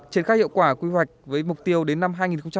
triển khai hiệu quả quy hoạch với mục tiêu đến năm hai nghìn ba mươi